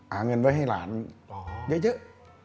เงินไว้ให้หลานเยอะ